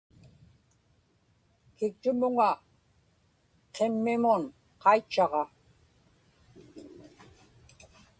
kiktumuŋa qimmimun qaitchaġa